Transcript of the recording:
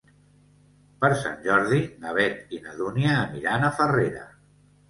Per Sant Jordi na Beth i na Dúnia aniran a Farrera.